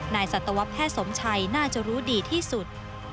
สัตวแพทย์สมชัยน่าจะรู้ดีที่สุด